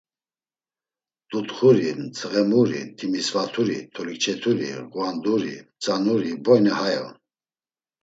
Dutxuri, Dzğemuri, Timisvaturi, Tolikçeturi, Ğvanduri, Mtzanuri boyne hay on.